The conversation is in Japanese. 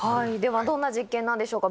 どんな実験なんでしょうか？